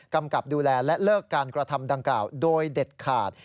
กำกับดูแลและเลิกการกระทำดังกล่าวโดยเด็ดขาด